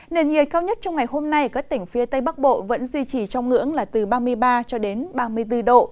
nền nhiệt cao nhất trong ngày hôm nay ở các tỉnh phía tây bắc bộ vẫn duy trì trong ngưỡng là từ ba mươi ba cho đến ba mươi bốn độ